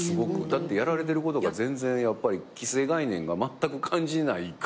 だってやられてることが全然既成概念がまったく感じないから。